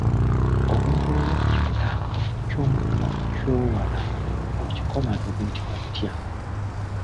Obuntu obuva ku kikuta ky’omutuba kyowala okikomage buyitibwa butya?